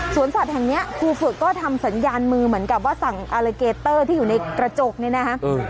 สัตว์แห่งนี้ครูฝึกก็ทำสัญญาณมือเหมือนกับว่าสั่งอาเลเกเตอร์ที่อยู่ในกระจกเนี่ยนะฮะ